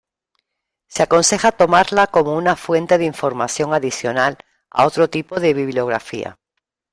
Se aconseja tomarla como una fuente de información adicional a otro tipo de bibliografía.